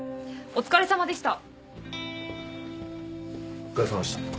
お疲れさまでした。